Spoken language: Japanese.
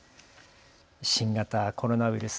新型コロナウイルス。